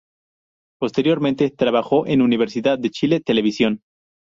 Posteriormente trabajó en Universidad de Chile Televisión.